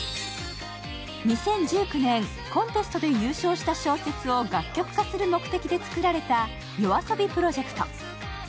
２０１９年、コンテストで優勝した小説を楽曲化する目的で作られたＹＯＡＳＯＢＩプロジェクト。